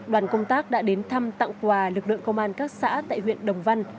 đoàn công tác đã đến thăm tặng quà lực lượng công an các xã tại huyện đồng văn